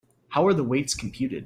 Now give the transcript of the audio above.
How are the weights computed?